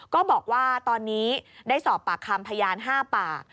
ก็บอกว่าตอนนี้ได้สอบปากคำพยาน๕ปาก